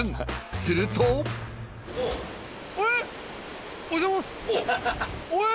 ［すると］えっ！？